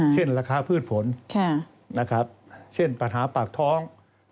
เช่นราคาพืชผลเช่นปัญหาปากท้อง